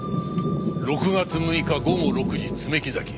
６月６日午後６時爪木崎。